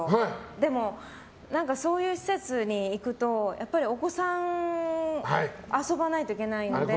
でも、そういう施設に行くとお子さん遊ばないといけないので。